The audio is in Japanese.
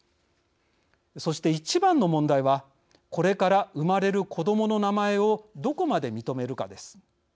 そして一番の問題はこれから生まれる子どもの名前をどこまで認めるかです。